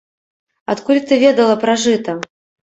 Адкуль ты ведала пра жыта?